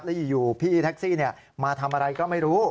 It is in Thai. แล้วอยู่พี่แท็กซี่มาทำอะไรก็ไม่รู้